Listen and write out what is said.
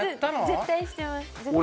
絶対してます俺？